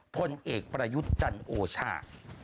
พลเอกประยุทธ์จันโอชา